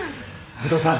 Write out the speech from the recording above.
武藤さん